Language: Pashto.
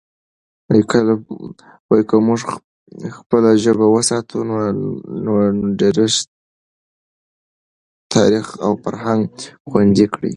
که موږ خپله ژبه وساتو، نو دیرش تاریخ او فرهنگ خوندي کړي.